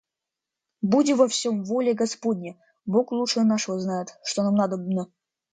Буди во всем воля господня! Бог лучше нашего знает, что нам надобно.